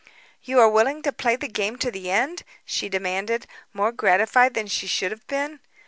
"You are willing to play the game to the end?" she demanded, more gratified than she should have been.